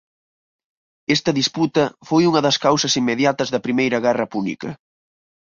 Esta disputa foi unha das causas inmediatas da Primeira Guerra Púnica